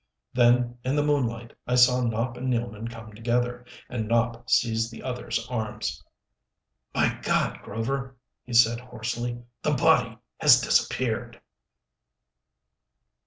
Then in the moonlight I saw Nopp and Nealman come together, and Nopp seized the other's arms. "My God, Grover!" he said hoarsely. "The body has disappeared!"